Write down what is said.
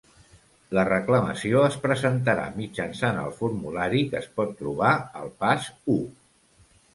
La reclamació es presentarà mitjançant el formulari que es pot trobar al Pas u.